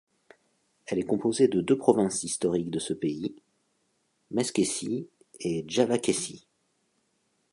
Elle est composée de deux provinces historiques de ce pays, Meskhétie et Djavakhétie.